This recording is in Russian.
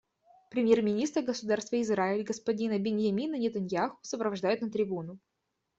Премьер-министра Государства Израиль господина Биньямина Нетаньяху сопровождают на трибуну.